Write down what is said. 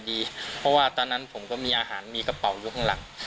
เพราะว่าตอนนั้นผมก็มีอาหารมีกระเป๋าอยู่ข้างหลัง